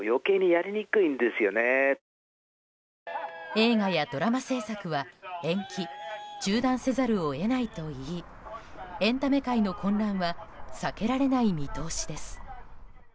映画やドラマ制作は延期・中断せざるを得ないといいエンタメ界の混乱は避けられない見通しです。